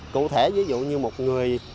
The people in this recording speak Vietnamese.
cụ thể ví dụ như một người